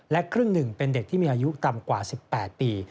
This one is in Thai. และครึ่งหนึ่งเป็นเด็กที่มีอายุต่ำกว่า๑๘ปี